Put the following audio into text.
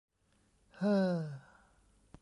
เฮ้อ !